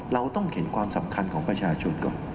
เราต้องเห็นความสำคัญของประชาชนก่อน